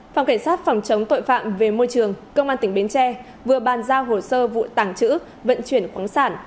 phòng cảnh sát phòng chống tội phạm về môi trường công an tỉnh bến tre vừa bàn giao hồ sơ vụ tàng trữ vận chuyển khoáng sản